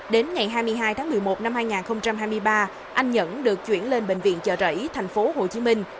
đến ngày hai mươi hai tháng một mươi một năm hai nghìn hai mươi ba anh nhẫn được chuyển lên bệnh viện chợ rẫy thành phố hồ chí minh